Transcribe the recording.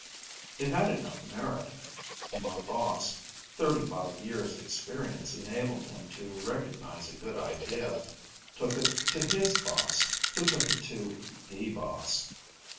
It had enough merit. My boss 35 years' experience enabled him to recognize a good idea took it to his boss who took it to The Boss.